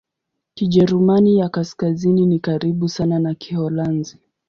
Kijerumani ya Kaskazini ni karibu sana na Kiholanzi.